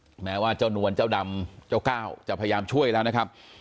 แม้ว่าเจ้านวลเจ้าดำเจ้าก้าวจะพยายามช่วยแล้วนะครับ